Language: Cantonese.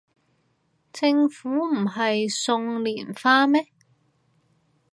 政府唔係送連花咩